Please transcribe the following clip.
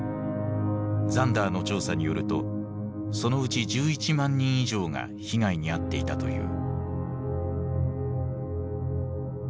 ザンダーの調査によるとそのうち１１万人以上が被害に遭っていたという。